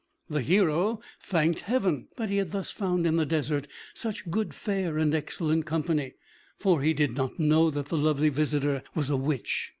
The hero thanked Heaven that he had thus found in the desert such good fare and excellent company; for he did not know that the lovely visitor was a witch.